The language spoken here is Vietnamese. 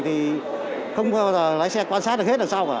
thì không bao giờ lái xe quan sát được hết là sao cả